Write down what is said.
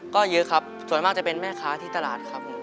ก็เยอะครับส่วนมากจะเป็นแม่ค้าที่ตลาดครับ